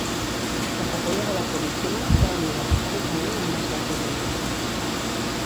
La capella de la Puríssima, va unida històricament al mas la Codina.